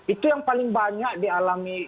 itu yang paling banyak dialami